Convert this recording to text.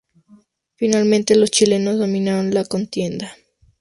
Finalmente, los chilenos dominaron la contienda.